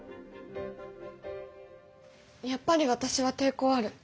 やっぱり私は抵抗ある。